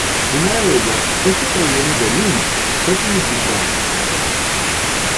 Una de ellas es que proviene de "lint" que significa "dragón".